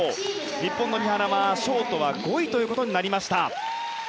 日本の三原はショートは５位となりました。